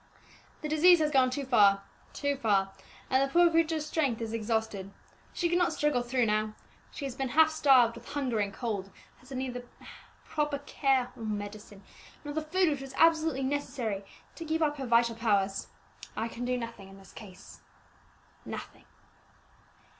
"The disease has gone too far too far and the poor creature's strength is exhausted. She cannot struggle through now. She has been half starved with hunger and cold, and has had neither proper care and medicine, nor the food which was absolutely necessary to keep up her vital powers. I can do nothing in this case nothing!"